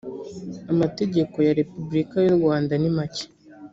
amategeko ya repubulika y u rwanda ni make.